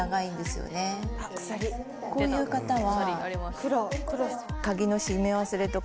こういう方は。